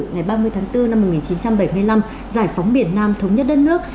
ngày ba mươi tháng bốn năm một nghìn chín trăm bảy mươi năm giải phóng biển nam thống nhất đất nước